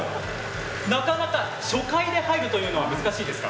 なかなか初回で入るというのは難しいですか。